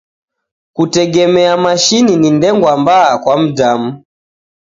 Kutegemia mashini ni ndengwa mbaha kwa mdamu.